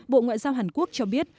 bộ ngoại giao hàn quốc cho biết